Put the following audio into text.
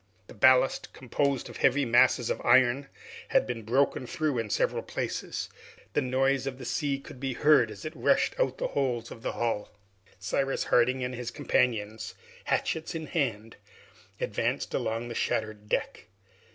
The ballast, composed of heavy masses of iron, had broken through in several places. The noise of the sea could be heard as it rushed out at the holes in the hull. Cyrus Harding and his companions, hatchets in hand, advanced along the shattered deck.